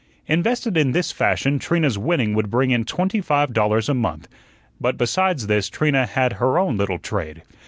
Invested in this fashion, Trina's winning would bring in twenty five dollars a month. But, besides this, Trina had her own little trade.